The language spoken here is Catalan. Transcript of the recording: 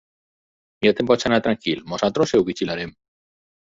Ja te'n pots anar tranquil: nosaltres ho vigilarem.